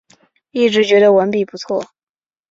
一直觉得文笔不错